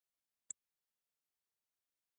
• مینه د باور ابتکار دی.